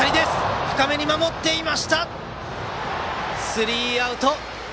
スリーアウト！